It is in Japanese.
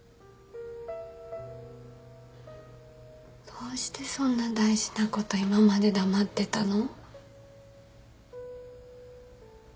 どうしてそんな大事なこと今まで黙ってたの？